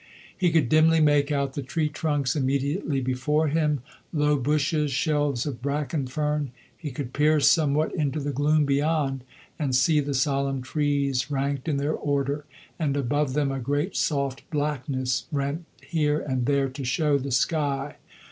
He could dimly make out the tree trunks immediately before him, low bushes, shelves of bracken fern; he could pierce somewhat into the gloom beyond and see the solemn trees ranked in their order, and above them a great soft blackness rent here and there to show the sky.